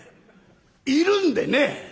いるんでね」。